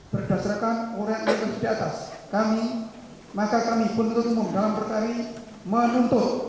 berdasarkan uang yang diberi dari atas kami maka kami pun tentu umum dalam pertandingan menuntut